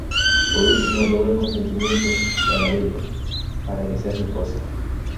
Por último logra el consentimiento de Arabella para que sea su esposa.